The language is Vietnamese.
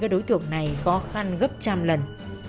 các đối tượng này khó khăn gấp trăm lần